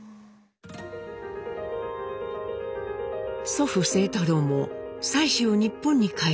祖父清太郎も妻子を日本に帰します。